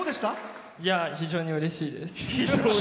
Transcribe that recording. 非常にうれしいです。